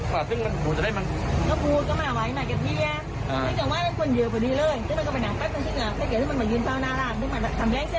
พี่สาวบอกว่าคุยกับเจ้านี้เรียบร้อยแล้ว